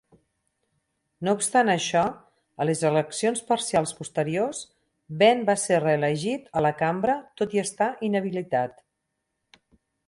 No obstant això, a les eleccions parcials posteriors, Benn va ser reelegit a la cambra tot i estar inhabilitat.